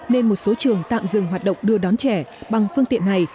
nên một số trường tạm dừng hoạt động đưa đón trẻ bằng phương tiện này